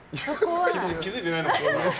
気づいてないのかな。